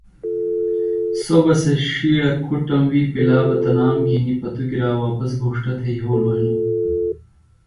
سوۡ بہ سےۡ ݜیڑہ کُھٹم وِی پلا بہ تنام گھنیۡ پتوۡگِرا واپس گھوݜٹہ تھےۡ یھولوۡ ہِنوۡ